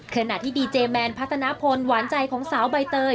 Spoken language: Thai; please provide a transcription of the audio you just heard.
ขณะที่ดีเจแมนพัฒนาพลหวานใจของสาวใบเตย